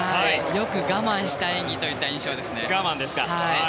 よく我慢した演技といった印象ですね。